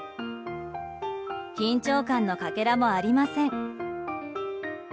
緊張感のかけらもありません。